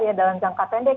ya dalam jangka pendek